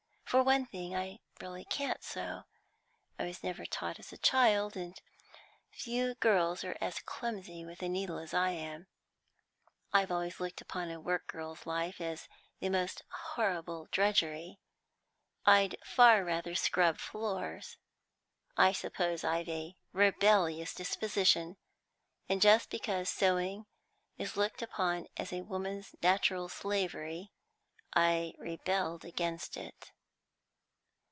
For one thing, I really can't sew. I was never taught as a child, and few girls are as clumsy with a needle as I am. I've always looked upon a work girl's life as the most horrible drudgery; I'd far rather scrub floors. I suppose I've a rebellious disposition, and just because sewing is looked upon as a woman's natural slavery, I rebelled against it.